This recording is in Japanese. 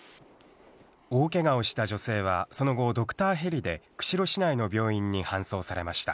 大けがをした女性は、その後、ドクターヘリで釧路市内の病院に搬送されました。